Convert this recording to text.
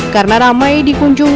karena ramai dikunjung